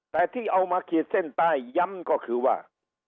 แต่ที่เอามาขีดเส้นใต้ย้ำก็คือว่า